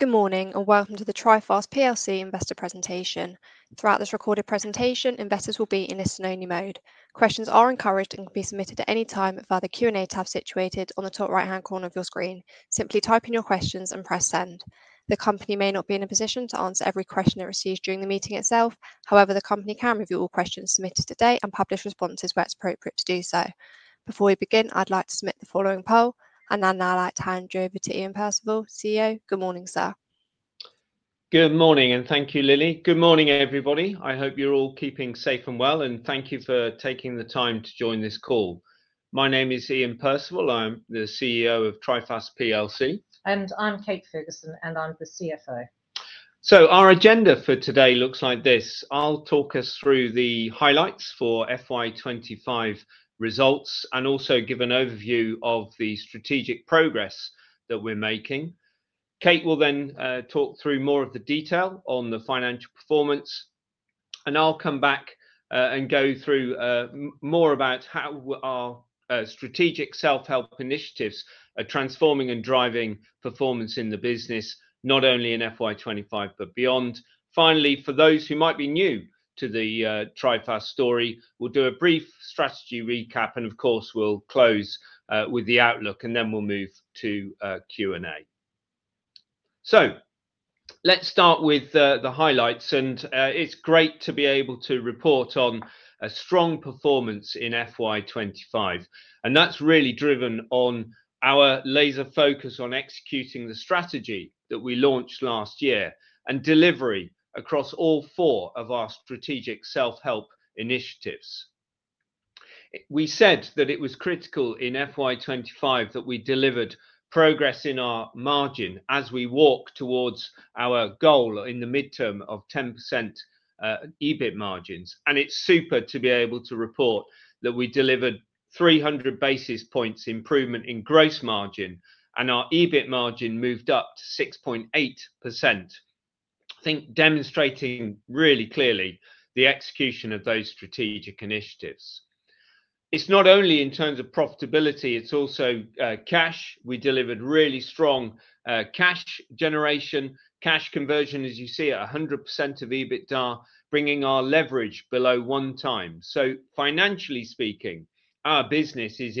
Good morning and welcome to the Trifast plc Investor Presentation. Throughout this recorded presentation, investors will be in a listen only mode. Questions are encouraged and can be submitted at any time via the Q&A tab situated on the top right-hand corner of your screen. Simply type in your questions and press send. The company may not be in a position to answer every question it receives during the meeting itself. However, the company can review all questions submitted today and publish responses where it's appropriate to do so. Before we begin, I'd like to submit the following poll, and I'd now like to hand you over to Iain Percival, CEO. Good morning, sir. Good morning, and thank you, Lily. Good morning, everybody. I hope you're all keeping safe and well, and thank you for taking the time to join this call. My name is Iain Percival. I'm the CEO of Trifast plc. I'm Kate Ferguson, and I'm the CFO. Our agenda for today looks like this. I'll talk us through the highlights for FY 2025 results and also give an overview of the strategic progress that we're making. Kate will then talk through more of the detail on the financial performance, and I'll come back and go through more about how our strategic self-help initiatives are transforming and driving performance in the business, not only in FY 2025 but beyond. Finally, for those who might be new to the Trifast story, we'll do a brief strategy recap, and of course, we'll close with the outlook, and then we'll move to Q&A. Let's start with the highlights, and it's great to be able to report on a strong performance in FY 2025, and that's really driven on our laser focus on executing the strategy that we launched last year and delivery across all four of our strategic self-help initiatives. We said that it was critical in FY 2025 that we delivered progress in our margin as we walk towards our goal in the midterm of 10% EBIT margins, and it's super to be able to report that we delivered 300 basis points improvement in gross margin, and our EBIT margin moved up to 6.8%. I think demonstrating really clearly the execution of those strategic initiatives. It's not only in terms of profitability; it's also cash. We delivered really strong cash generation, cash conversion, as you see, at 100% of EBITDA, bringing our leverage below one time. Financially speaking, our business is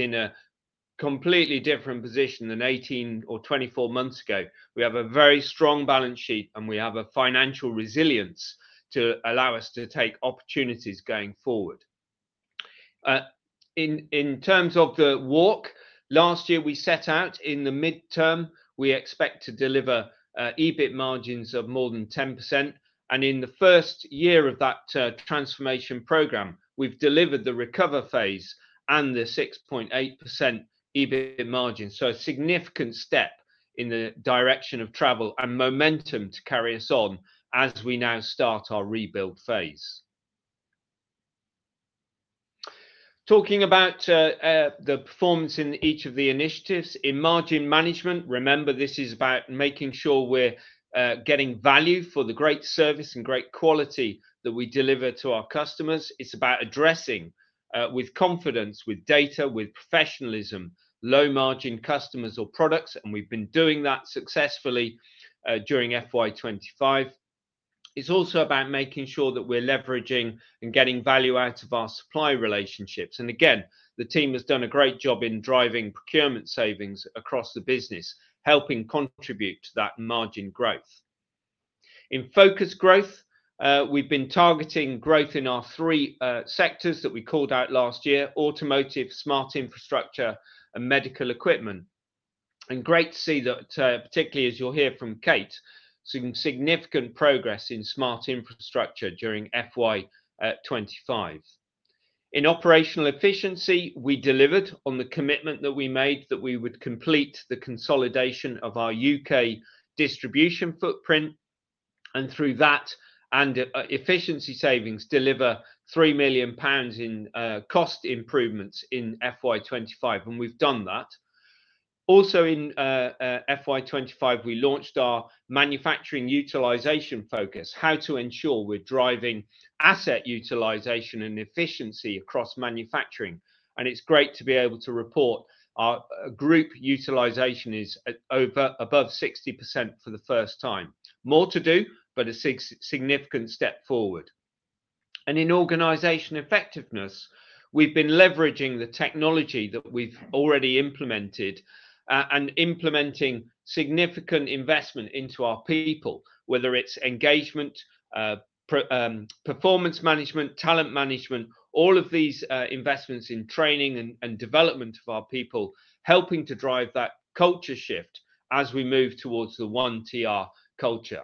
in a completely different position than 18 or 24 months ago. We have a very strong balance sheet, and we have a financial resilience to allow us to take opportunities going forward. In terms of the walk last year we set out in the midterm, we expect to deliver EBIT margins of more than 10%, and in the first year of that transformation program, we've delivered the recover phase and the 6.8% EBIT margin. A significant step in the direction of travel and momentum to carry us on as we now start our rebuild phase. Talking about the performance in each of the initiatives in margin management, remember this is about making sure we're getting value for the great service and great quality that we deliver to our customers. It's about addressing with confidence, with data, with professionalism, low-margin customers or products, and we've been doing that successfully during FY 2025. It's also about making sure that we're leveraging and getting value out of our supply relationships, and again, the team has done a great job in driving procurement savings across the business, helping contribute to that margin growth. In focus growth, we've been targeting growth in our three sectors that we called out last year: automotive, smart infrastructure, and medical equipment. It is great to see that, particularly as you'll hear from Kate, some significant progress in smart infrastructure during FY 2025. In operational efficiency, we delivered on the commitment that we made that we would complete the consolidation of our U.K. distribution footprint, and through that and efficiency savings, deliver 3 million pounds in cost improvements in FY 2025, and we've done that. Also in FY 2025, we launched our manufacturing utilization focus, how to ensure we're driving asset utilization and efficiency across manufacturing, and it's great to be able to report our group utilization is above 60% for the first time. There is more to do, but a significant step forward. In organization effectiveness, we've been leveraging the technology that we've already implemented and implementing significant investment into our people, whether it's engagement, performance management, talent management, all of these investments in training and development of our people, helping to drive that culture shift as we move towards the One TR culture.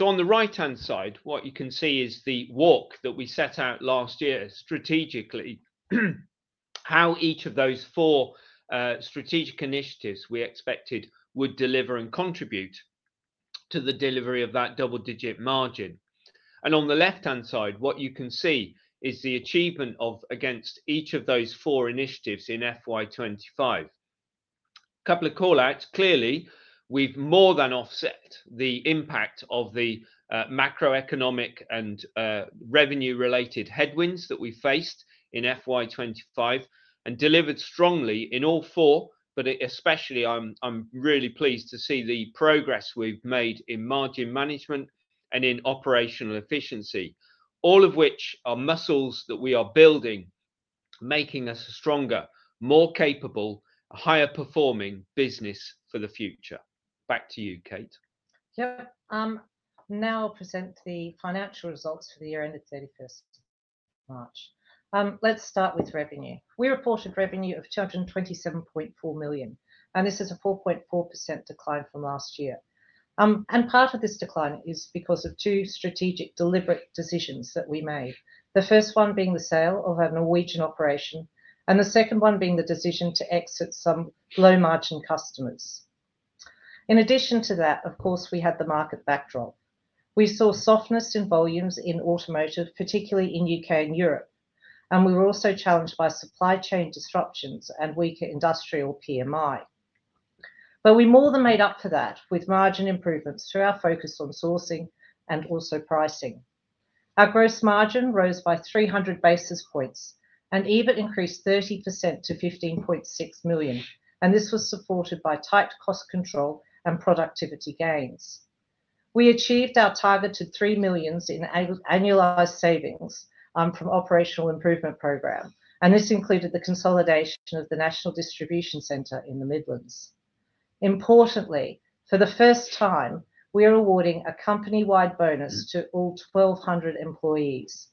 On the right-hand side, what you can see is the walk that we set out last year strategically, how each of those four strategic initiatives we expected would deliver and contribute to the delivery of that double-digit margin. On the left-hand side, what you can see is the achievement against each of those four initiatives in FY 2025. A couple of callouts. Clearly, we've more than offset the impact of the macroeconomic and revenue-related headwinds that we faced in FY 2025 and delivered strongly in all four, but especially I'm really pleased to see the progress we've made in margin management and in operational efficiency, all of which are muscles that we are building, making us a stronger, more capable, higher-performing business for the future. Back to you, Kate. Yeah. Now I'll present the financial results for the year ended 31st of March. Let's start with revenue. We reported revenue of 227.4 million, and this is a 4.4% decline from last year. Part of this decline is because of two strategic deliberate decisions that we made, the first one being the sale of our Norwegian operation and the second one being the decision to exit some low-margin customers. In addition to that, of course, we had the market backdrop. We saw softness in volumes in automotive, particularly in the U.K. and Europe, and we were also challenged by supply chain disruptions and weaker industrial PMI. We more than made up for that with margin improvements through our focus on sourcing and also pricing. Our gross margin rose by 300 basis points, and EBIT increased 30% to 15.6 million, and this was supported by tight cost control and productivity gains. We achieved our targeted 3 million in annualized savings from the operational improvement program, and this included the consolidation of the National Distribution Centre in the Midlands. Importantly, for the first time, we are awarding a company-wide bonus to all 1,200 employees.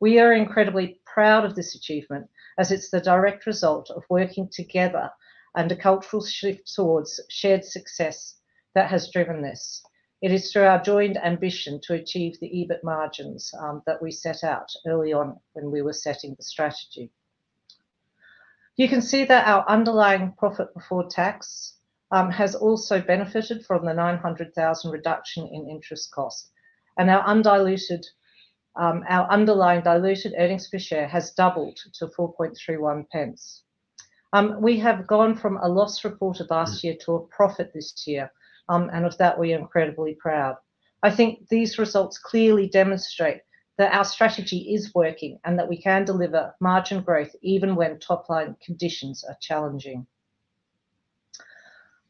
We are incredibly proud of this achievement as it's the direct result of working together and a cultural shift towards shared success that has driven this. It is through our joined ambition to achieve the EBIT margins that we set out early on when we were setting the strategy. You can see that our underlying profit before tax has also benefited from the 900,000 reduction in interest costs, and our underlying diluted earnings per share has doubled to 0.0431. We have gone from a loss reported last year to a profit this year, and of that, we are incredibly proud. I think these results clearly demonstrate that our strategy is working and that we can deliver margin growth even when top-line conditions are challenging.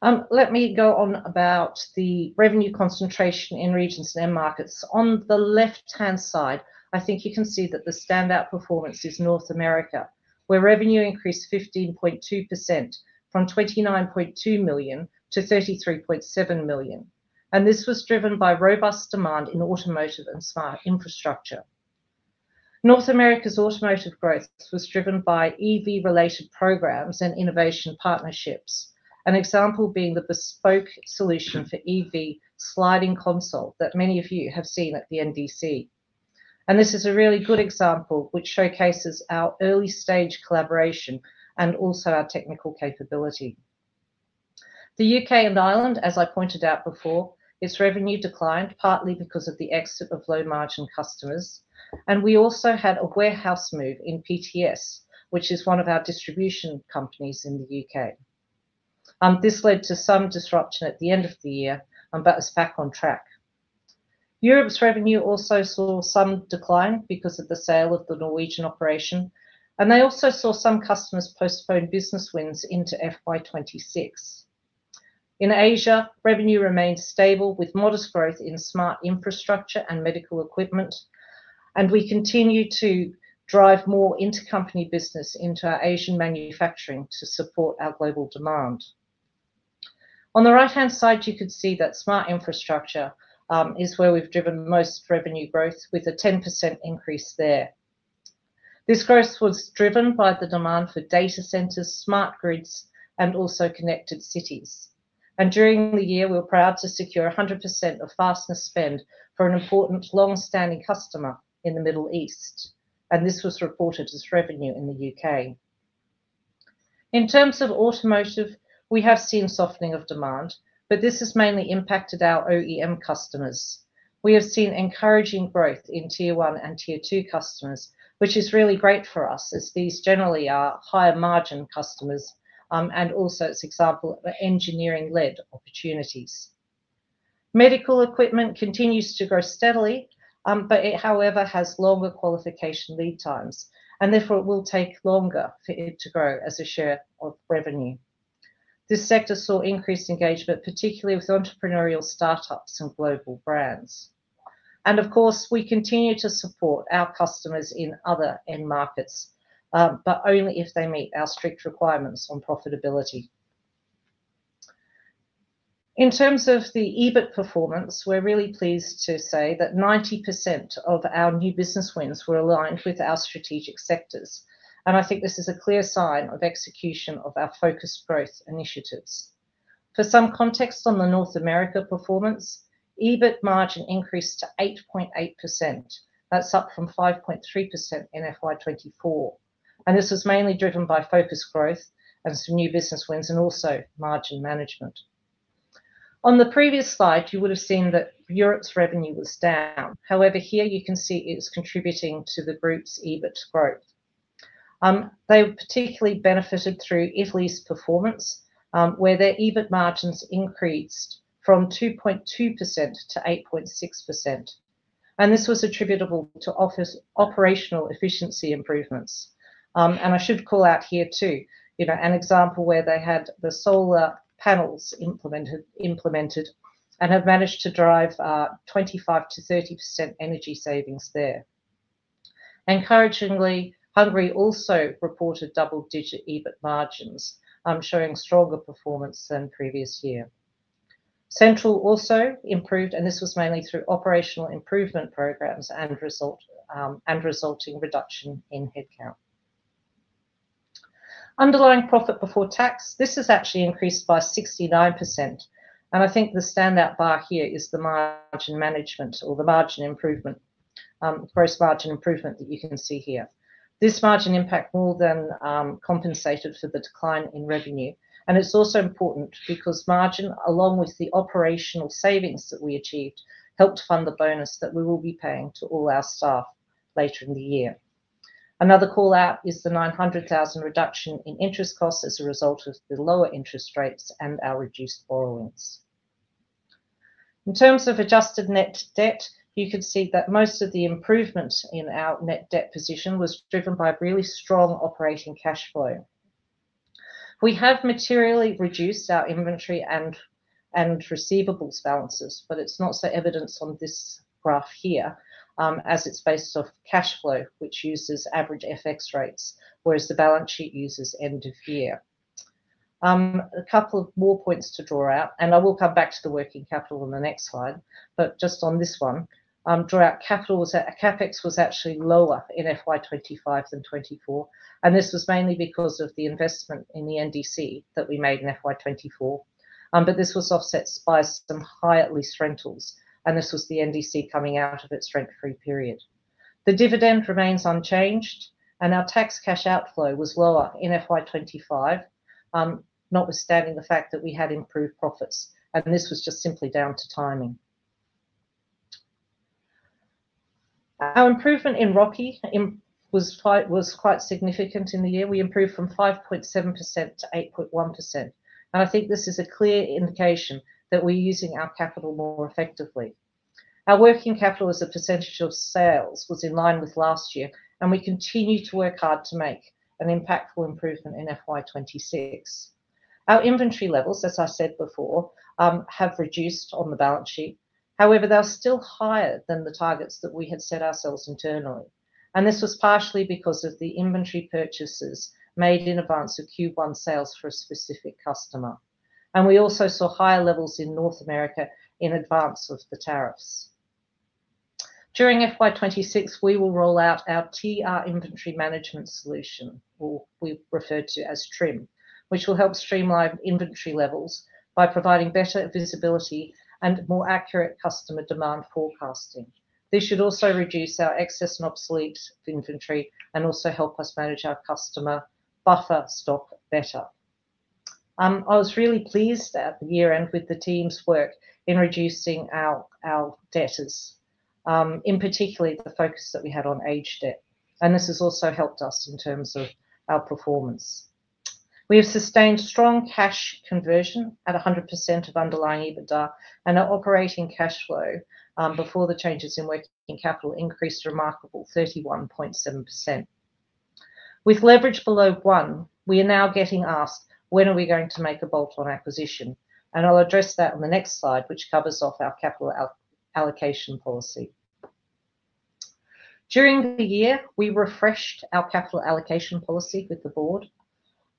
Let me go on about the revenue concentration in regions and their markets. On the left-hand side, I think you can see that the standout performance is North America, where revenue increased 15.2% from 29.2 million to 33.7 million, and this was driven by robust demand in automotive and smart infrastructure. North America's automotive growth was driven by EV-related programs and innovation partnerships, an example being the bespoke solution for EV sliding console that many of you have seen at the NDC. This is a really good example which showcases our early-stage collaboration and also our technical capability. The U.K. and Ireland, as I pointed out before, its revenue declined partly because of the exit of low-margin customers, and we also had a warehouse move in PTS, which is one of our distribution companies in the U.K. This led to some disruption at the end of the year, but it's back on track. Europe's revenue also saw some decline because of the sale of the Norwegian operation, and they also saw some customers postpone business wins into FY 2026. In Asia, revenue remains stable with modest growth in smart infrastructure and medical equipment, and we continue to drive more intercompany business into our Asian manufacturing to support our global demand. On the right-hand side, you can see that smart infrastructure is where we've driven most revenue growth with a 10% increase there. This growth was driven by the demand for data centers, smart grids, and also connected cities. During the year, we were proud to secure 100% of fastener spend for an important long-standing customer in the Middle East, and this was reported as revenue in the U.K. In terms of automotive, we have seen softening of demand, but this has mainly impacted our OEM customers. We have seen encouraging growth in Tier 1 and Tier 2 customers, which is really great for us as these generally are higher-margin customers and also, as an example, engineering-led opportunities. Medical equipment continues to grow steadily, but it, however, has longer qualification lead times, and therefore, it will take longer for it to grow as a share of revenue. This sector saw increased engagement, particularly with entrepreneurial startups and global brands. We continue to support our customers in other end markets, but only if they meet our strict requirements on profitability. In terms of the EBIT performance, we're really pleased to say that 90% of our new business wins were aligned with our strategic sectors, and I think this is a clear sign of execution of our focused growth initiatives. For some context on the North America performance, EBIT margin increased to 8.8%. That's up from 5.3% in FY 2024, and this was mainly driven by focused growth and some new business wins and also margin management. On the previous slide, you would have seen that Europe's revenue was down. However, here you can see it is contributing to the group's EBIT growth. They particularly benefited through Italy's performance, where their EBIT margins increased from 2.2% to 8.6%, and this was attributable to operational efficiency improvements. I should call out here too, you know, an example where they had the solar panels implemented and have managed to drive 25% to 30% energy savings there. Encouragingly, Hungary also reported double-digit EBIT margins, showing stronger performance than the previous year. Central also improved, and this was mainly through operational improvement programs and resulting reduction in headcount. Underlying profit before tax, this has actually increased by 69%, and I think the standout bar here is the margin management or the gross margin improvement that you can see here. This margin impact more than compensated for the decline in revenue, and it's also important because margin, along with the operational savings that we achieved, helped fund the bonus that we will be paying to all our staff later in the year. Another callout is the 900,000 reduction in interest costs as a result of the lower interest rates and our reduced borrowings. In terms of adjusted net debt, you can see that most of the improvement in our net debt position was driven by really strong operating cash flow. We have materially reduced our inventory and receivables balances, but it's not so evident on this graph here as it's based off cash flow, which uses average FX rates, whereas the balance sheet uses end of year. A couple more points to draw out, and I will come back to the working capital on the next slide, but just on this one, draw out capital was that CapEx was actually lower in FY 2025 than 2024, and this was mainly because of the investment in the NDC that we made in FY 2024, but this was offset by some high at least rentals, and this was the NDC coming out of its rent-free period. The dividend remains unchanged, and our tax cash outflow was lower in FY 2025, notwithstanding the fact that we had improved profits, and this was just simply down to timing. Our improvement in ROCI was quite significant in the year. We improved from 5.7% to 8.1%, and I think this is a clear indication that we're using our capital more effectively. Our working capital as a percentage of sales was in line with last year, and we continue to work hard to make an impactful improvement in FY 2026. Our inventory levels, as I said before, have reduced on the balance sheet. However, they're still higher than the targets that we had set ourselves internally, and this was partially because of the inventory purchases made in advance of Q1 sales for a specific customer. We also saw higher levels in North America in advance of the tariffs. During FY 2026, we will roll out our TR inventory management solution, or we refer to as TRiM, which will help streamline inventory levels by providing better visibility and more accurate customer demand forecasting. This should also reduce our excess and obsolete inventory and also help us manage our customer buffer stock better. I was really pleased at the year-end with the team's work in reducing our debtors, in particular the focus that we had on aged debt, and this has also helped us in terms of our performance. We have sustained strong cash conversion at 100% of underlying EBITDA and our operating cash flow before the changes in working capital increased a remarkable 31.7%. With leverage below one, we are now getting asked, when are we going to make a bolt-on acquisition? I'll address that on the next slide, which covers off our capital allocation policy. During the year, we refreshed our capital allocation policy with the Board,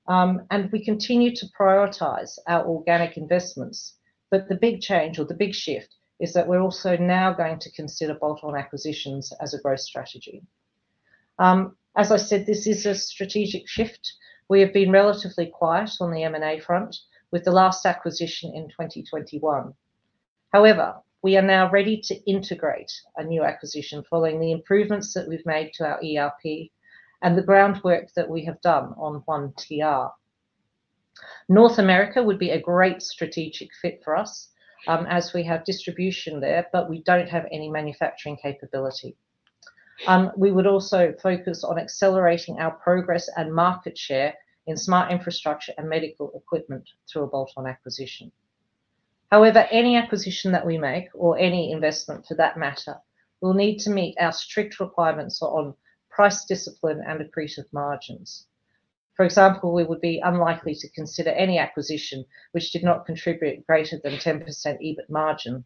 and we continue to prioritize our organic investments. The big change or the big shift is that we're also now going to consider bolt-on acquisitions as a growth strategy. As I said, this is a strategic shift. We have been relatively quiet on the M&A front with the last acquisition in 2021. We are now ready to integrate a new acquisition following the improvements that we've made to our ERP and the groundwork that we have done on One TR. North America would be a great strategic fit for us as we have distribution there, but we don't have any manufacturing capability. We would also focus on accelerating our progress and market share in smart infrastructure and medical equipment through a bolt-on acquisition. However, any acquisition that we make or any investment for that matter will need to meet our strict requirements on price discipline and appreciative margins. For example, we would be unlikely to consider any acquisition which did not contribute greater than 10% EBIT margin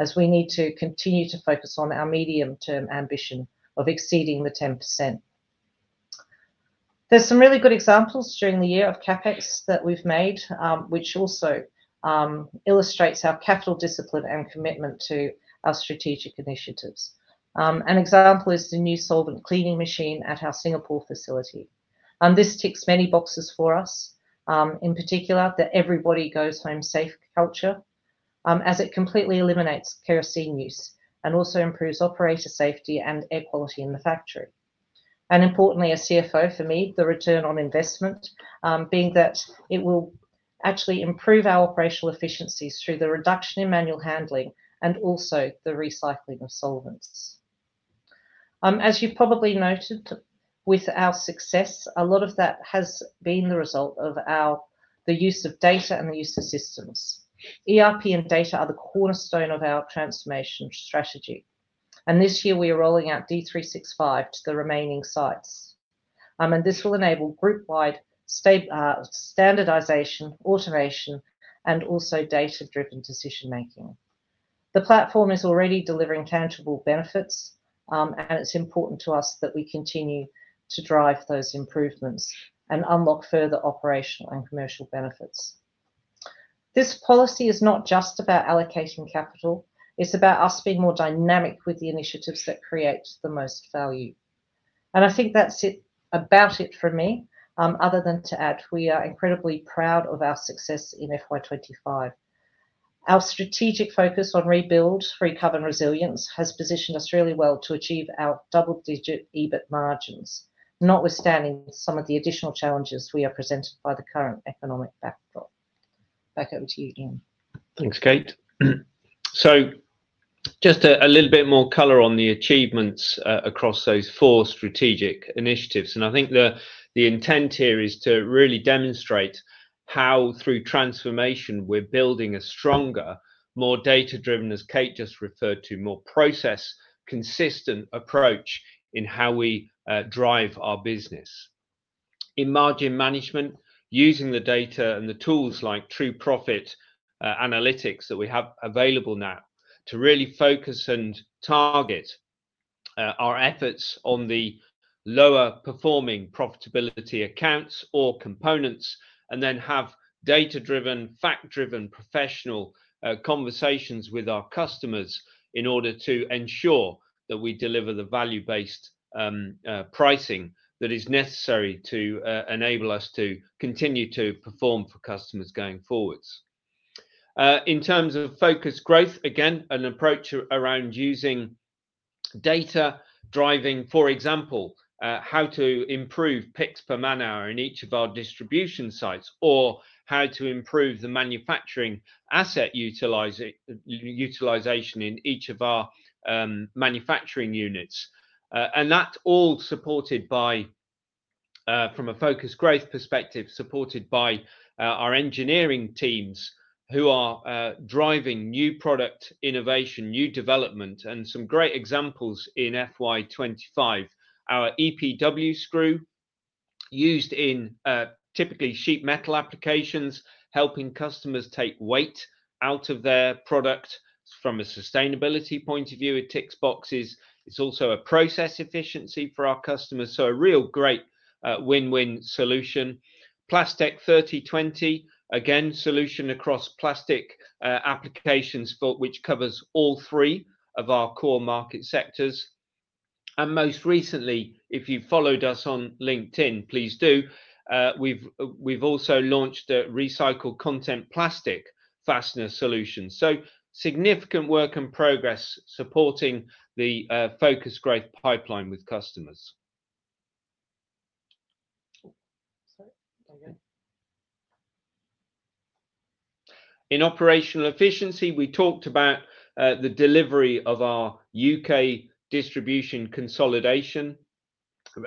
as we need to continue to focus on our medium-term ambition of exceeding the 10%. There are some really good examples during the year of CapEx that we've made, which also illustrates our capital discipline and commitment to our strategic initiatives. An example is the new solvent cleaning machine at our Singapore facility. This ticks many boxes for us, in particular that everybody goes home safe culture, as it completely eliminates kerosene use and also improves operator safety and air quality in the factory. Importantly, as CFO for me, the return on investment being that it will actually improve our operational efficiencies through the reduction in manual handling and also the recycling of solvents. As you've probably noted with our success, a lot of that has been the result of the use of data and the use of systems. ERP and data are the cornerstone of our transformation strategy, and this year we are rolling out D365 to the remaining sites. This will enable group-wide standardization, automation, and also data-driven decision-making. The platform is already delivering tangible benefits, and it's important to us that we continue to drive those improvements and unlock further operational and commercial benefits. This policy is not just about allocating capital; it's about us being more dynamic with the initiatives that create the most value. I think that's it for me. Other than to add, we are incredibly proud of our success in FY 2025. Our strategic focus on rebuild, recover, and resilience has positioned us really well to achieve our double-digit EBIT margins, notwithstanding some of the additional challenges we are presented by the current economic backdrop. Back over to you, Iain. Thanks, Kate. Just a little bit more color on the achievements across those four strategic initiatives. I think the intent here is to really demonstrate how through transformation we're building a stronger, more data-driven, as Kate just referred to, more process-consistent approach in how we drive our business. In margin management, using the data and the tools like True Profit Analytics that we have available now to really focus and target our efforts on the lower-performing profitability accounts or components, and then have data-driven, fact-driven, professional conversations with our customers in order to ensure that we deliver the value-based pricing that is necessary to enable us to continue to perform for customers going forwards. In terms of focused growth, again, an approach around using data driving, for example, how to improve picks per man-hour in each of our distribution sites or how to improve the manufacturing asset utilization in each of our manufacturing units. That's all supported by, -- from a focused growth perspective, our engineering teams who are driving new product innovation, new development, and some great examples in FY 2025. Our EPW screw used in typically sheet metal applications, helping customers take weight out of their product from a sustainability point of view, it ticks boxes. It's also a process efficiency for our customers, so a real great win-win solution. Plas-Tech 30-20, again, solution across Plas-Tech applications which covers all three of our core market sectors. Most recently, if you've followed us on LinkedIn, please do, we've also launched a recycled content Plas-Tech fastener solution. Significant work in progress supporting the focused growth pipeline with customers. In operational efficiency, we talked about the delivery of our U.K. distribution consolidation,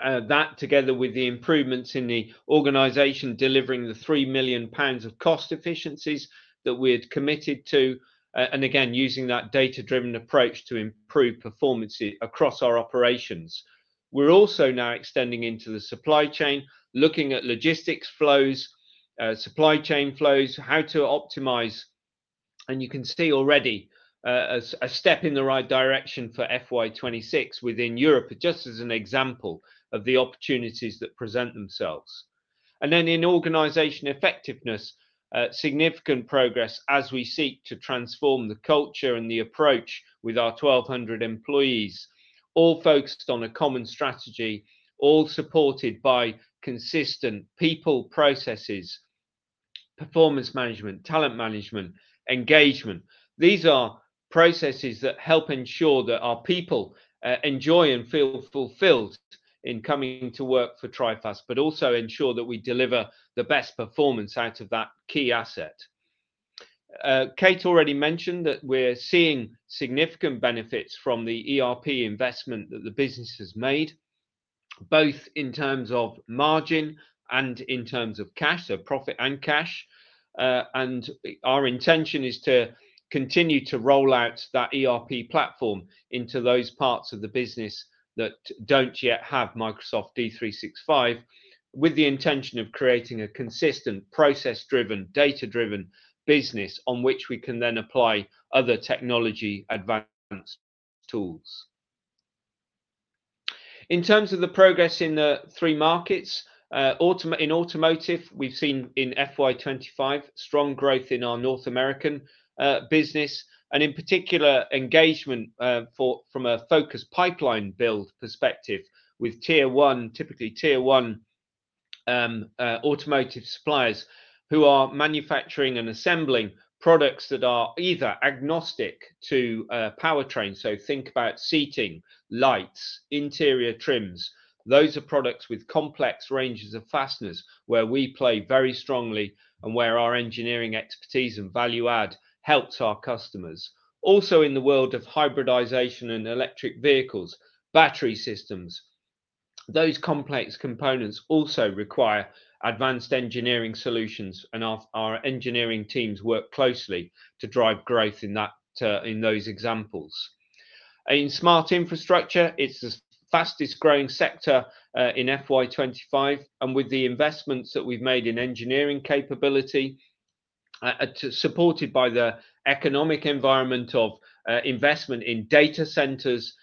that together with the improvements in the organization delivering the 3 million pounds of cost efficiencies that we had committed to, and again, using that data-driven approach to improve performance across our operations. We're also now extending into the supply chain, looking at logistics flows, supply chain flows, how to optimize, and you can see already a step in the right direction for FY 2026 within Europe, just as an example of the opportunities that present themselves. In organizational effectiveness, significant progress as we seek to transform the culture and the approach with our 1,200 employees, all focused on a common strategy, all supported by consistent people, processes, performance management, talent management, engagement. These are processes that help ensure that our people enjoy and feel fulfilled in coming to work for Trifast, but also ensure that we deliver the best performance out of that key asset. Kate already mentioned that we're seeing significant benefits from the ERP investment that the business has made, both in terms of margin and in terms of cash, so profit and cash. Our intention is to continue to roll out that ERP platform into those parts of the business that don't yet have Microsoft D365, with the intention of creating a consistent process-driven, data-driven business on which we can then apply other technology advanced tools. In terms of the progress in the three markets, in automotive, we've seen in FY 2025 strong growth in our North American business, and in particular engagement from a focused pipeline build perspective with Tier 1, typically Tier 1 automotive suppliers who are manufacturing and assembling products that are either agnostic to powertrains, so think about seating, lights, interior trims. Those are products with complex ranges of fasteners where we play very strongly and where our engineering expertise and value add helps our customers. Also in the world of hybridization and electric vehicles, battery systems, those complex components also require advanced engineering solutions, and our engineering teams work closely to drive growth in those examples. In smart infrastructure, it's the fastest growing sector in FY 2025, and with the investments that we've made in engineering capability, supported by the economic environment of investment in data centers,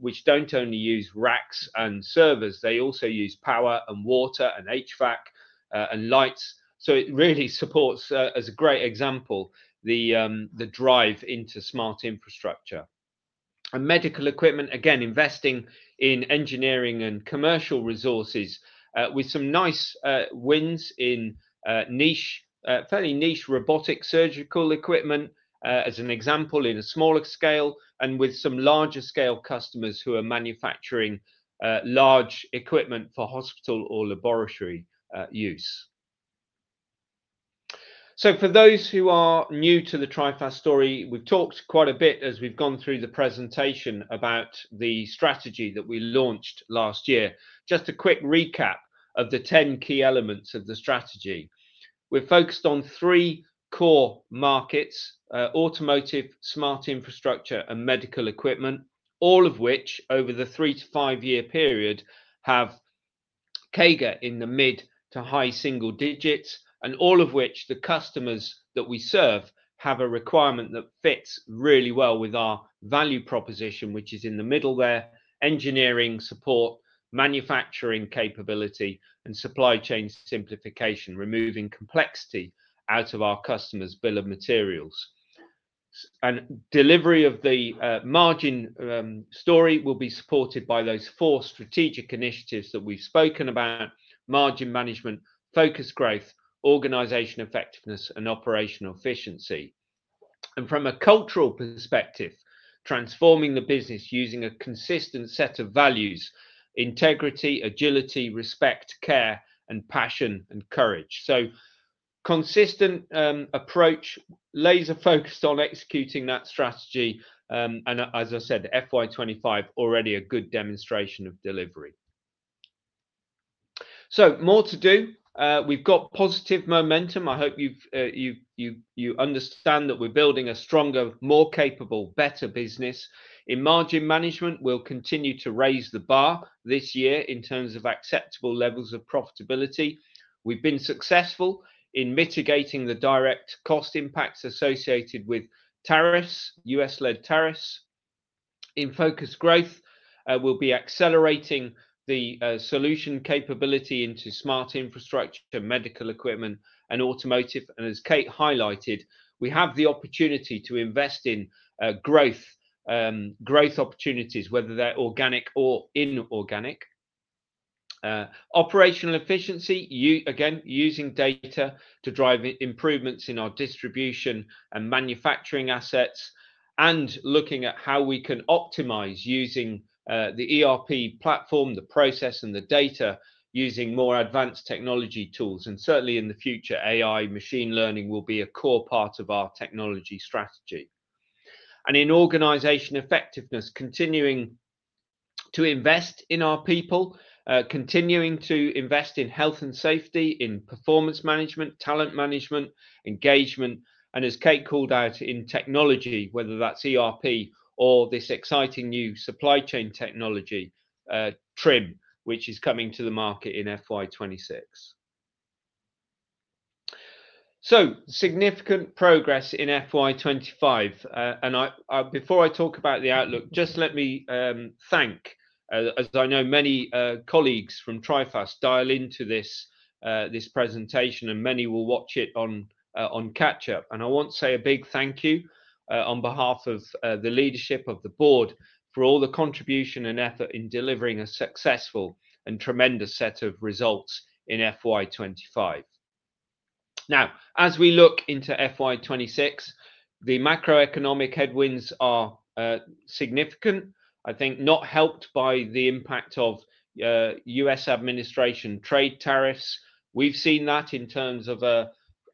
which don't only use racks and servers, they also use power and water and HVAC and lights. It really supports, as a great example, the drive into smart infrastructure. Medical equipment, again, investing in engineering and commercial resources with some nice wins in fairly niche robotic surgical equipment as an example in a smaller scale and with some larger scale customers who are manufacturing large equipment for hospital or laboratory use. For those who are new to the Trifast story, we've talked quite a bit as we've gone through the presentation about the strategy that we launched last year. Just a quick recap of the 10 key elements of the strategy. We're focused on three core markets: automotive, smart infrastructure, and medical equipment, all of which over the three to five-year period have CAGR in the mid-to-high single digits, and all of which the customers that we serve have a requirement that fits really well with our value proposition, which is in the middle there, engineering support, manufacturing capability, and supply chain simplification, removing complexity out of our customers' bill of materials. Delivery of the margin story will be supported by those four strategic initiatives that we've spoken about: margin management, focused growth, organizational effectiveness, and operational efficiency. From a cultural perspective, transforming the business using a consistent set of values: integrity, agility, respect, care, passion, and courage. Consistent approach, laser-focused on executing that strategy, and as I said, FY 2025 already a good demonstration of delivery. More to do. We've got positive momentum. I hope you understand that we're building a stronger, more capable, better business. In margin management, we'll continue to raise the bar this year in terms of acceptable levels of profitability. We've been successful in mitigating the direct cost impacts associated with tariffs -- U.S.-led tariffs. In focused growth, we'll be accelerating the solution capability into smart infrastructure, medical equipment, and automotive. As Kate highlighted, we have the opportunity to invest in growth opportunities, whether they're organic or inorganic. Operational efficiency, again, using data to drive improvements in our distribution and manufacturing assets, and looking at how we can optimize using the ERP platform, the process, and the data using more advanced technology tools. Certainly in the future, AI, machine learning will be a core part of our technology strategy. In organizational effectiveness, continuing to invest in our people, continuing to invest in health and safety, in performance management, talent management, engagement, and as Kate called out, in technology, whether that's ERP or this exciting new supply chain technology, TRiM, which is coming to the market in FY 2026. Significant progress in FY 2025. Before I talk about the outlook, just let me thank, as I know many colleagues from Trifast dial into this presentation, and many will watch it on catch-up. I want to say a big thank you on behalf of the leadership of the Board for all the contribution and effort in delivering a successful and tremendous set of results in FY 2025. Now, as we look into FY 2026, the macroeconomic headwinds are significant, not helped by the impact of U.S. administration trade tariffs. We've seen that in terms of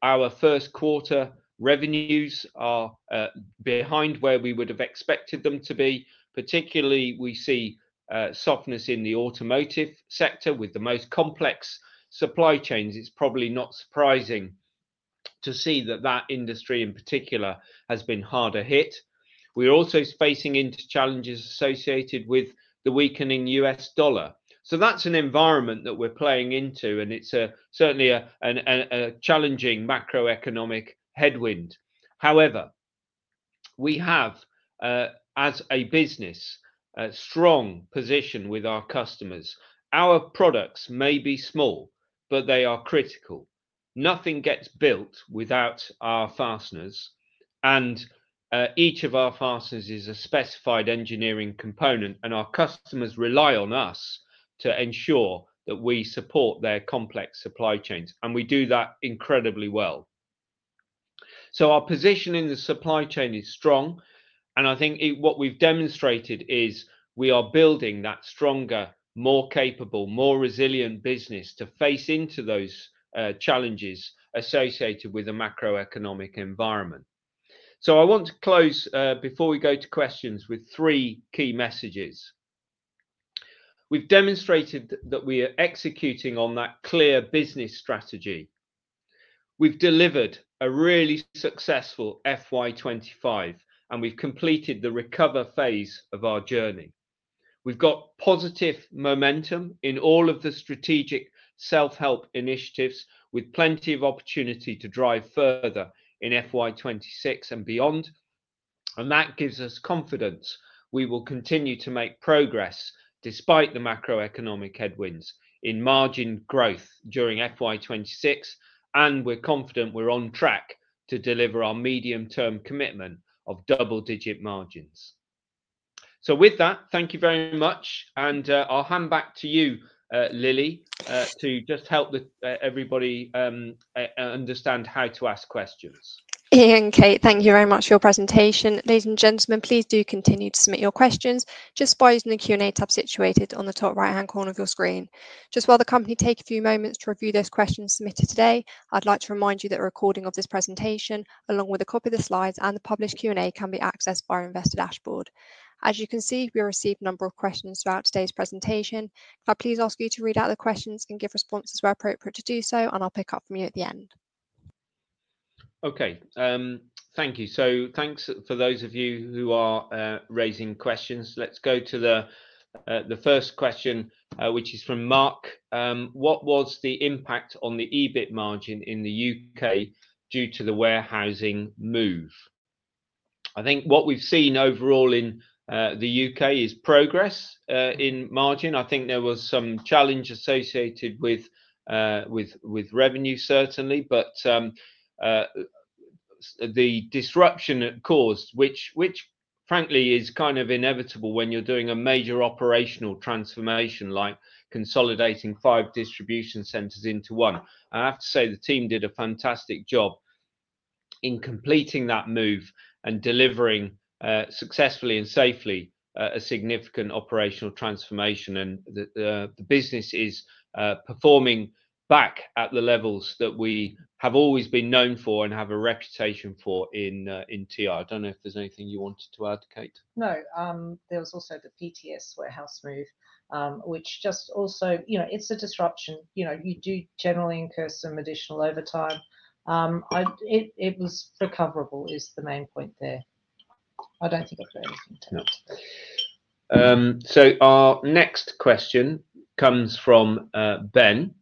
our first quarter revenues being behind where we would have expected them to be. Particularly, we see softness in the automotive sector with the most complex supply chains. It's probably not surprising to see that industry in particular has been harder hit. We're also facing challenges associated with the weakening U.S. dollar. That's an environment that we're playing into, and it's certainly a challenging macroeconomic headwind. However, we have, as a business, a strong position with our customers. Our products may be small, but they are critical. Nothing gets built without our fasteners, and each of our fasteners is a specified engineering component. Our customers rely on us to ensure that we support their complex supply chains, and we do that incredibly well. Our position in the supply chain is strong, and what we've demonstrated is we are building that stronger, more capable, more resilient business to face those challenges associated with the macroeconomic environment. I want to close before we go to questions with three key messages. We've demonstrated that we are executing on that clear business strategy. We've delivered a really successful FY 2025, and we've completed the recover phase of our journey. We've got positive momentum in all of the strategic self-help initiatives with plenty of opportunity to drive further in FY 2026 and beyond, and that gives us confidence we will continue to make progress despite the macroeconomic headwinds in margin growth during FY 2026. We're confident we're on track to deliver our medium-term commitment of double-digit margins. With that, thank you very much, and I'll hand back to you, Lily, to just help everybody understand how to ask questions. Iain and Kate, thank you very much for your presentation. Ladies and gentlemen, please do continue to submit your questions just by using the Q&A tab situated on the top right-hand corner of your screen. While the company takes a few moments to review those questions submitted today, I'd like to remind you that a recording of this presentation, along with a copy of the slides and the published Q&A, can be accessed by our investor dashboard. As you can see, we received a number of questions throughout today's presentation. I'd please ask you to read out the questions and give responses where appropriate to do so, and I'll pick up from you at the end. Okay. Thank you. Thanks for those of you who are raising questions. Let's go to the first question, which is from Mark. What was the impact on the EBIT margin in the U.K. due to the warehousing move? I think what we've seen overall in the U.K. is progress in margin. I think there was some challenge associated with revenue, certainly, but the disruption it caused, which frankly is kind of inevitable when you're doing a major operational transformation like consolidating five distribution centers into one. I have to say the team did a fantastic job in completing that move and delivering successfully and safely a significant operational transformation, and the business is performing back at the levels that we have always been known for and have a reputation for in TR. I don't know if there's anything you wanted to add, Kate. No. There was also the PTS warehouse move, which just also, you know, it's a disruption. You do generally incur some additional overtime. It was recoverable, is the main point there. I don't think I've got anything to add. Our next question comes from Ben.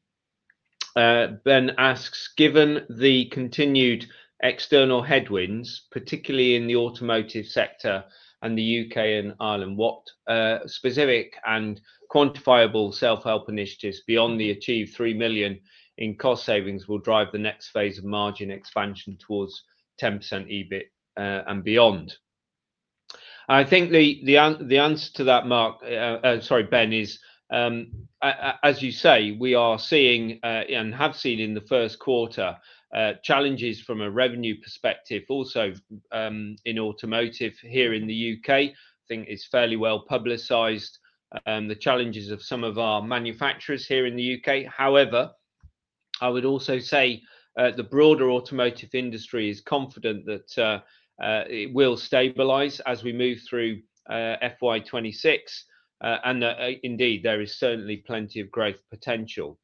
Ben asks, given the continued external headwinds, particularly in the automotive sector and the U.K. and Ireland, what specific and quantifiable self-help initiatives beyond the achieved 3 million in cost savings will drive the next phase of margin expansion towards 10% EBIT and beyond? I think the answer to that, Mark,-- sorry, Ben, is, as you say, we are seeing and have seen in the first quarter challenges from a revenue perspective, also in automotive here in the U.K. I think it's fairly well publicized, the challenges of some of our manufacturers here in the U.K. However, I would also say the broader automotive industry is confident that it will stabilize as we move through FY 2026, and indeed, there is certainly plenty of growth potential.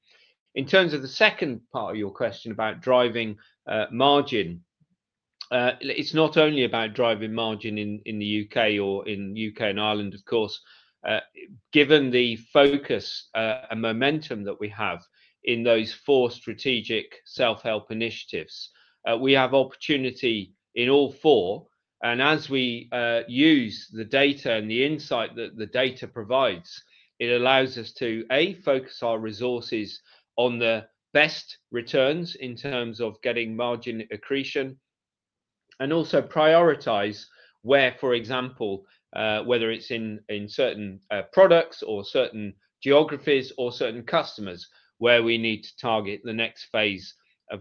In terms of the second part of your question about driving margin, it's not only about driving margin in the U.K. or in U.K. and Ireland, of course. Given the focus and momentum that we have in those four strategic self-help initiatives, we have opportunity in all four, and as we use the data and the insight that the data provides, it allows us to, A, focus our resources on the best returns in terms of getting margin accretion, and also prioritize where, for example, whether it's in certain products or certain geographies or certain customers, where we need to target the next phase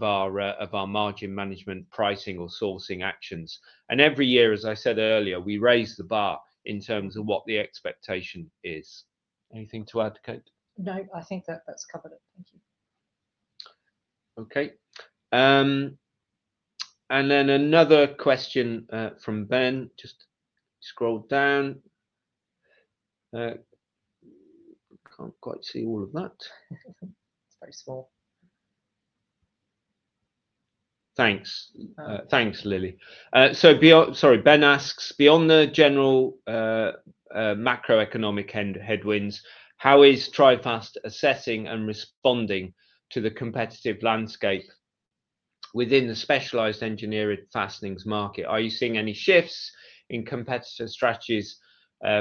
of our margin management pricing or sourcing actions. Every year, as I said earlier, we raise the bar in terms of what the expectation is. Anything to add, Kate? No, I think that that's covered it. Thank you. Okay. Another question from Ben. Just scroll down. Can't quite see all of that. It's very small. Thanks. Thanks, Lily. Sorry, Ben asks, beyond the general macroeconomic headwinds, how is Trifast assessing and responding to the competitive landscape within the specialized engineered fastenings market? Are you seeing any shifts in competitor strategies,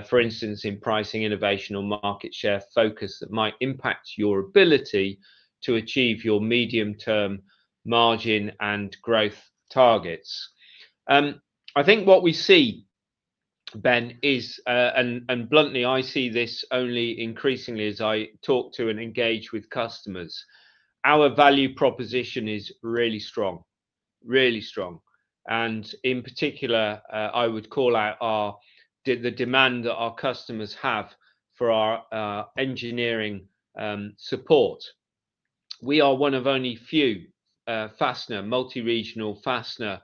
for instance, in pricing, innovation, or market share focus that might impact your ability to achieve your medium-term margin and growth targets? I think what we see, Ben, is, and bluntly, I see this only increasingly as I talk to and engage with customers. Our value proposition is really strong, really strong. In particular, I would call out the demand that our customers have for our engineering support. We are one of only a few multi-regional fastener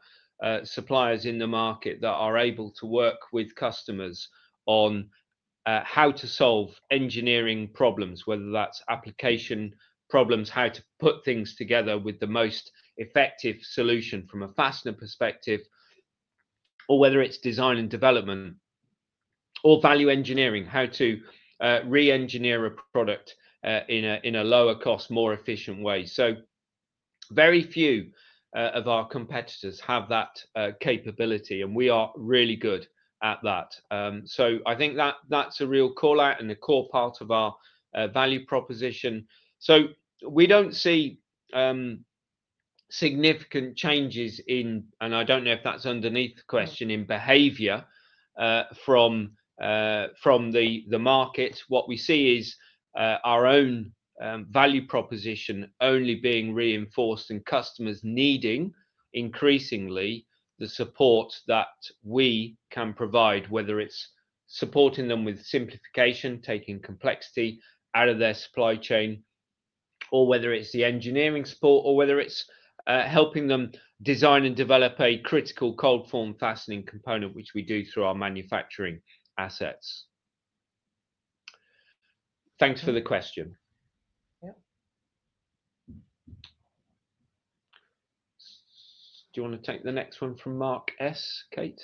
suppliers in the market that are able to work with customers on how to solve engineering problems, whether that's application problems, how to put things together with the most effective solution from a fastener perspective, or whether it's design and development or value engineering, how to re-engineer a product in a lower cost, more efficient way. Very few of our competitors have that capability, and we are really good at that. I think that's a real callout and a core part of our value proposition. We don't see significant changes in, and I don't know if that's underneath the question, in behavior from the markets. What we see is our own value proposition only being reinforced and customers needing increasingly the support that we can provide, whether it's supporting them with simplification, taking complexity out of their supply chain, or whether it's the engineering support, or whether it's helping them design and develop a critical cold-form fastening component, which we do through our manufacturing assets. Thanks for the question. Do you want to take the next one from Mark S, Kate?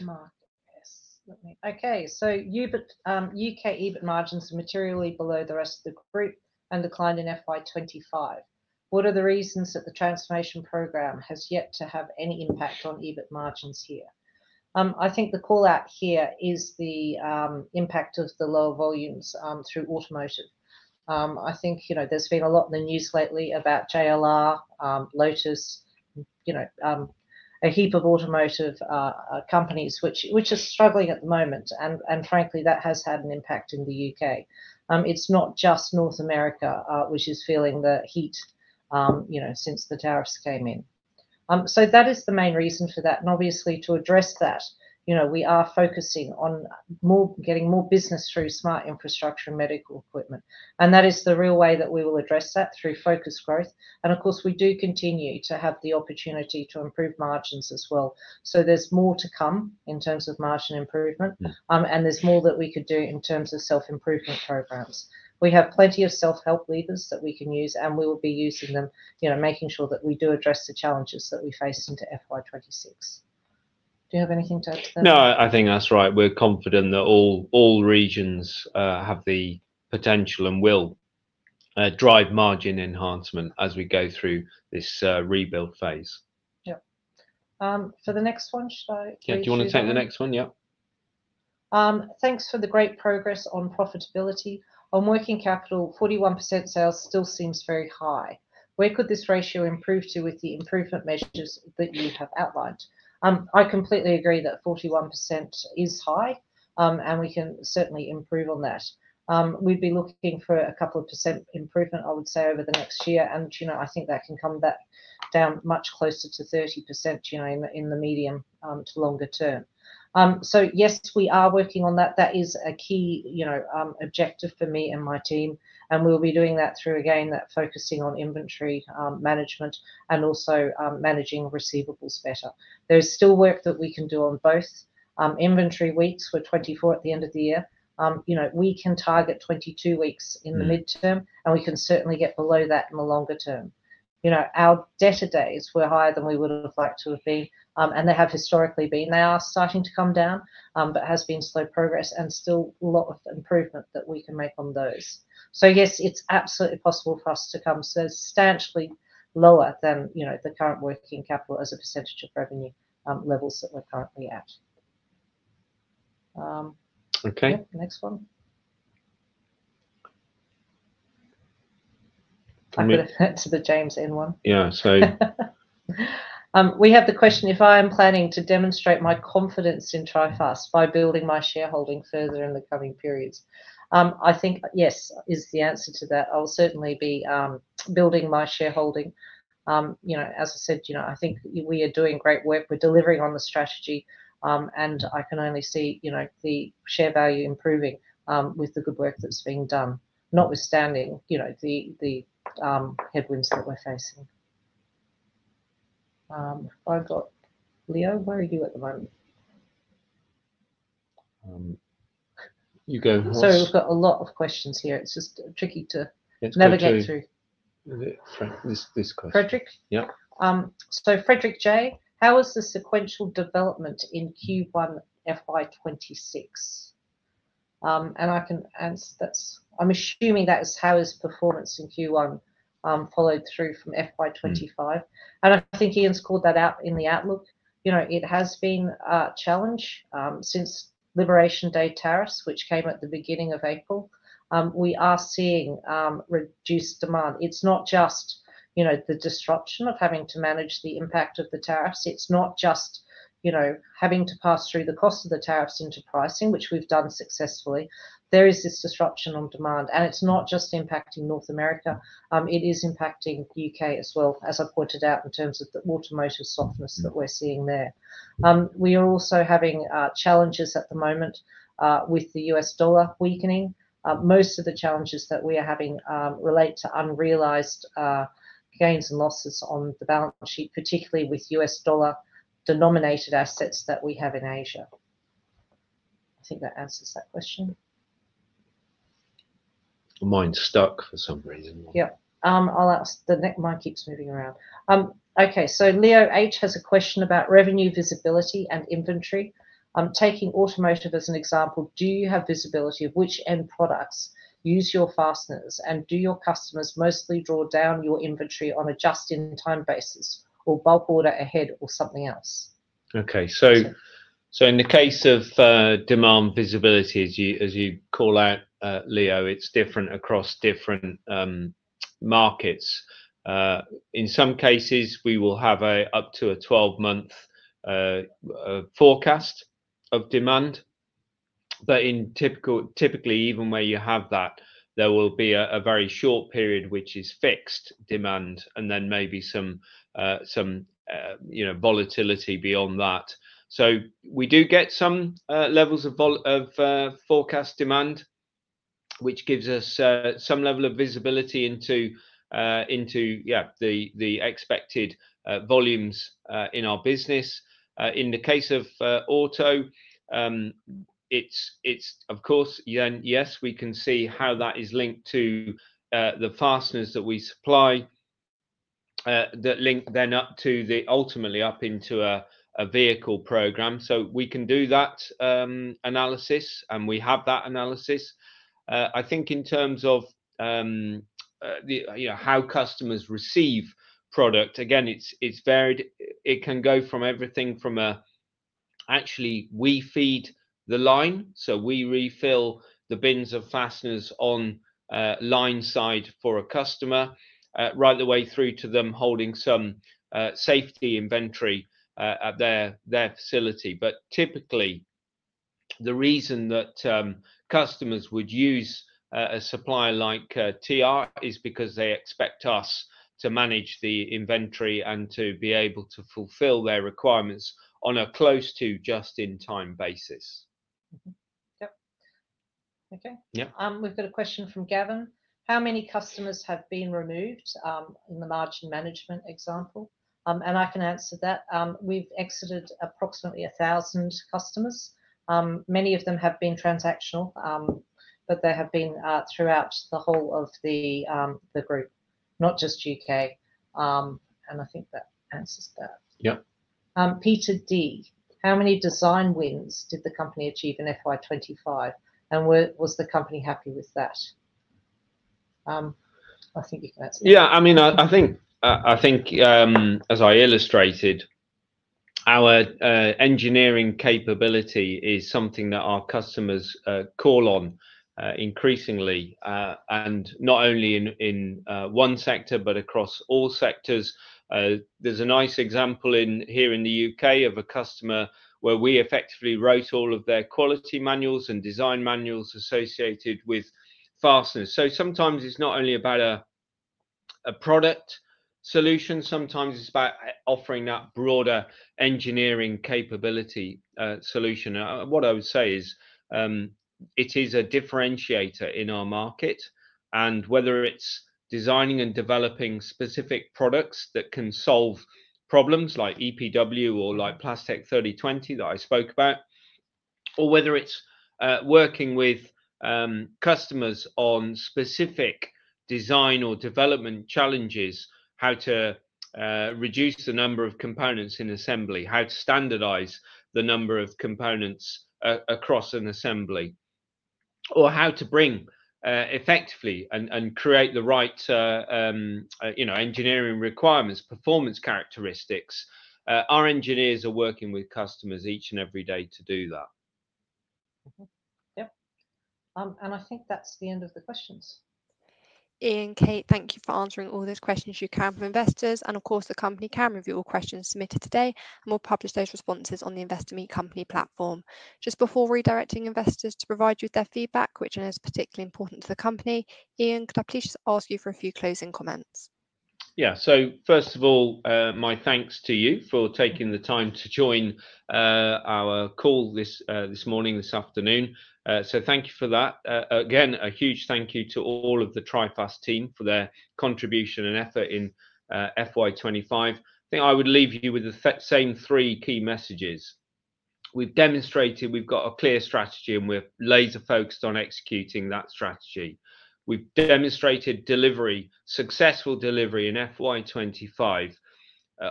Okay. U.K. EBIT margins are materially below the rest of the group and declined in FY 2025. What are the reasons that the transformation program has yet to have any impact on EBIT margins here? The callout here is the impact of the lower volumes through automotive. There's been a lot in the news lately about JLR, Lotus, a heap of automotive companies which are struggling at the moment, and frankly, that has had an impact in the U.K.. It's not just North America, which is feeling the heat since the tariffs came in. That is the main reason for that. Obviously, to address that, we are focusing on getting more business through smart infrastructure and medical equipment, and that is the real way that we will address that through focused growth. Of course, we do continue to have the opportunity to improve margins as well. There's more to come in terms of margin improvement, and there's more that we could do in terms of self-improvement programs. We have plenty of self-help levers that we can use, and we will be using them, making sure that we do address the challenges that we face into FY 2026. Do you have anything to add to that? No, I think that's right. We're confident that all regions have the potential and will drive margin enhancement as we go through this rebuild phase. The next one, should I? Yeah, do you want to take the next one? Yeah. Thanks for the great progress on profitability. On working capital, 41% sales still seems very high. Where could this ratio improve to with the improvement measures that you have outlined? I completely agree that 41% is high, and we can certainly improve on that. We'd be looking for a couple of percent improvement, I would say, over the next year, and I think that can come back down much closer to 30% in the medium to longer term. Yes, we are working on that. That is a key objective for me and my team, and we'll be doing that through, again, focusing on inventory management and also managing receivables better. There's still work that we can do on both inventory weeks for 2024 at the end of the year. We can target 22 weeks in the mid-term, and we can certainly get below that in the longer term. Our debt today is way higher than we would have liked to have been, and they have historically been. They are starting to come down, but it has been slow progress and still a lot of improvement that we can make on those. Yes, it's absolutely possible for us to come substantially lower than the current working capital as a percentage of revenue levels that we're currently at. Okay. Yep, next one. I'm going to head to the James N one. Yeah, same. We have the question, if I am planning to demonstrate my confidence in Trifast by building my shareholding further in the coming periods. I think yes is the answer to that. I'll certainly be building my shareholding. As I said, I think we are doing great work. We're delivering on the strategy, and I can only see the share value improving with the good work that's being done, notwithstanding, you know the headwinds that we're facing. I've got Leo, where are you at the moment? You go. We've got a lot of questions here. It's just tricky to navigate through. It's okay, this question. Frederick? Yep. Frederick J, how was the sequential development in Q1 FY 2026? I can answer that. I'm assuming that is how his performance in Q1 followed through from FY 2025. I think Iain's called that out in the outlook. It has been a challenge since Liberation Day tariffs, which came at the beginning of April. We are seeing reduced demand. It's not just the disruption of having to manage the impact of the tariffs. It's not just having to pass through the cost of the tariffs into pricing, which we've done successfully. There is this disruption on demand, and it's not just impacting North America. It is impacting the U.K. as well, as I pointed out in terms of the automotive softness that we're seeing there. We are also having challenges at the moment with the U.S. dollar weakening. Most of the challenges that we are having relate to unrealized gains and losses on the balance sheet, particularly with U.S. dollar denominated assets that we have in Asia. I think that answers that question. Mine's stuck for some reason. Yeah. I'll ask the next mine keeps moving around. Leo H has a question about revenue visibility and inventory. Taking automotive as an example, do you have visibility of which end products use your fasteners, and do your customers mostly draw down your inventory on a just-in-time basis or bulk order ahead or something else? Okay. In the case of demand visibility, as you call out, Leo, it's different across different markets. In some cases, we will have up to a 12-month forecast of demand. Typically, even where you have that, there will be a very short period which is fixed demand and then maybe some volatility beyond that. We do get some levels of forecast demand, which gives us some level of visibility into the expected volumes in our business. In the case of auto, it's, of course, then yes, we can see how that is linked to the fasteners that we supply that link then up ultimately into a vehicle program. We can do that analysis, and we have that analysis. I think in terms of how customers receive product, again, it's varied. It can go from everything from actually, we feed the line, so we refill the bins of fasteners on line side for a customer right the way through to them holding some safety inventory at their facility. Typically, the reason that customers would use a supplier like TR is because they expect us to manage the inventory and to be able to fulfill their requirements on a close-to-just-in-time basis. Yep. Okay. Yep. We've got a question from Gavin. How many customers have been removed in the margin management example? I can answer that. We've exited approximately 1,000 customers. Many of them have been transactional, but they have been throughout the whole of the group, not just the U.K.. I think that answers that. Yep. Peter D, how many design wins did the company achieve in FY 2025, and was the company happy with that? I think you can answer that. Yeah. I mean, I think, as I illustrated, our engineering capability is something that our customers call on increasingly, and not only in one sector but across all sectors. There's a nice example here in the U.K. of a customer where we effectively wrote all of their quality manuals and design manuals associated with fasteners. Sometimes it's not only about a product solution, sometimes it's about offering that broader engineering capability solution. What I would say is it is a differentiator in our market, and whether it's designing and developing specific products that can solve problems like EPW or like Plas-Tech 30-20 that I spoke about, or whether it's working with customers on specific design or development challenges, how to reduce the number of components in assembly, how to standardize the number of components across an assembly, or how to bring effectively and create the right engineering requirements, performance characteristics. Our engineers are working with customers each and every day to do that. Yes. I think that's the end of the questions. Iain, Kate, thank you for answering all those questions you can from investors. The company can review all questions submitted today, and we'll publish those responses on the InvestorMeet Company platform. Just before redirecting investors to provide you with their feedback, which I know is particularly important to the company, Iain, could I please just ask you for a few closing comments? First of all, my thanks to you for taking the time to join our call this morning, this afternoon. Thank you for that. Again, a huge thank you to all of the Trifast team for their contribution and effort in FY 2025. I think I would leave you with the same three key messages. We've demonstrated we've got a clear strategy, and we're laser-focused on executing that strategy. We've demonstrated successful delivery in FY 2025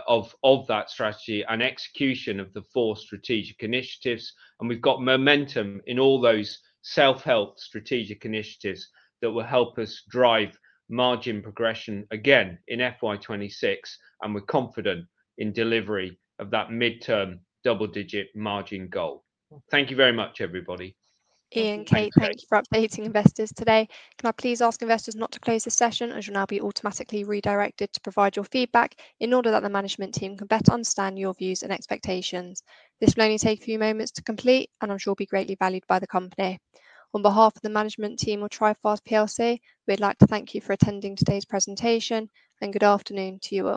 of that strategy and execution of the four strategic initiatives, and we've got momentum in all those self-help strategic initiatives that will help us drive margin progression again in FY 2026, and we're confident in delivery of that mid-term double-digit margin goal. Thank you very much, everybody. Iain, Kate, thank you for updating investors today. Can I please ask investors not to close the session as you'll now be automatically redirected to provide your feedback in order that the management team can better understand your views and expectations? This will only take a few moments to complete, and I'm sure it will be greatly valued by the company. On behalf of the management team of Trifast plc, we'd like to thank you for attending today's presentation, and good afternoon to you all.